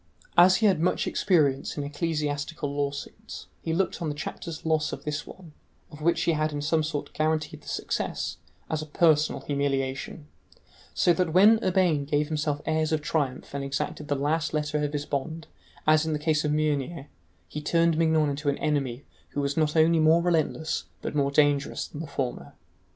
As he had much experience in ecclesiastical lawsuits, he looked on the chapter's loss of this one, of which he had in some sort guaranteed the success, as a personal humiliation, so that when Urbain gave himself airs of triumph and exacted the last letter of his bond, as in the case of Meunier, he turned Mignon into an enemy who was not only more relentless but more dangerous than the former.